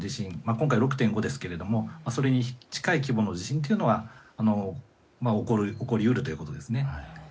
今回は６．５ですがそれに近い規模の地震は起こり得るということですね。